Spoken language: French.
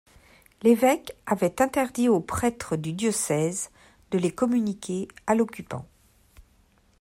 L'évêque avait interdit aux prêtres du diocèse de les communiquer à l'occupant.